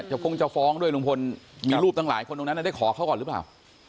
คงจะฟ้องด้วยลุงพลมีรูปตั้งหลายคนตรงนั้นได้ขอเขาก่อนหรือเปล่า